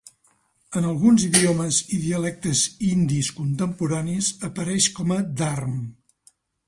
En alguns idiomes i dialectes indis contemporanis apareix com a "dharm".